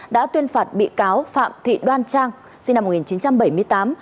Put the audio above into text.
đã tuyên phạt bị cáo phạm thị đoan trang sinh năm một nghìn chín trăm bảy mươi tám